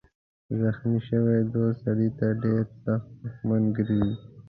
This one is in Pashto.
زخمي شوی دوست سړی ته ډېر سخت دښمن ګرځي.